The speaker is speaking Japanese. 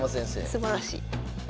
すばらしい。